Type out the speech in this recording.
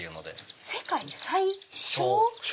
世界最小？